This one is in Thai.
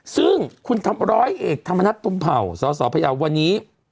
ซึ่งคุณร้อยเอกธรรมนัฐพรมเผ่าสสพยาววันนี้